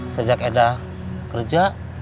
sejak edah kerja